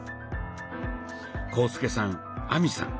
浩介さん亜美さん